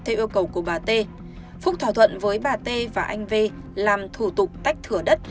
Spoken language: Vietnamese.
theo yêu cầu của bà t phúc thỏa thuận với bà t và anh v làm thủ tục tách thửa đất